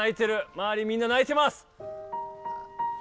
まわりみんな泣いてます。